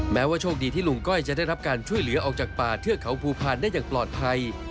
แม้ว่าโชคดีที่ลุงก้อยจะได้รับการช่วยเหลือออกจากป่าเทือกเขาภูพาลได้อย่างปลอดภัย